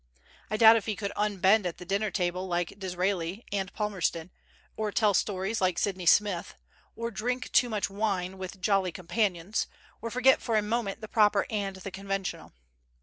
I doubt if he could unbend at the dinner table like Disraeli and Palmerston, or tell stories like Sydney Smith, or drink too much wine with jolly companions, or forget for a moment the proper and the conventional.